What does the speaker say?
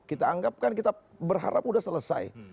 kita anggap kan kita berharap sudah selesai